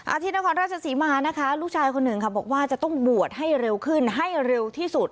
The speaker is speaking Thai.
ที่นครราชศรีมานะคะลูกชายคนหนึ่งค่ะบอกว่าจะต้องบวชให้เร็วขึ้นให้เร็วที่สุด